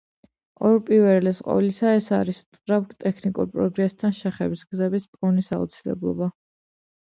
უპირველეს ყოვლისა, ეს არის სწრაფ ტექნიკურ პროგრესთან შეხების გზების პოვნის აუცილებლობა.